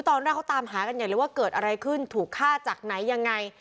ตอนแรกเขาตามหากันใหญ่เลยว่าเกิดอะไรขึ้นถูกฆ่าจากไหนยังไง